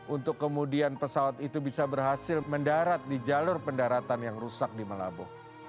untuk kemudian pesawat itu bisa berhasil mendarat di jalur pendaratan yang rusak di melabuh